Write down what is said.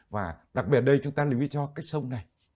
và đặc biệt ở đây chúng ta lưu ý cho cách sông này